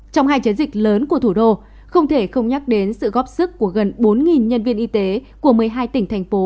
trong hai chiến dịch lớn của thủ đô không thể không nhắc đến sự góp sức của gần bốn nhân viên y tế của một mươi hai tỉnh thành phố